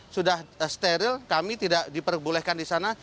sudah steril kami tidak diperbolehkan di sana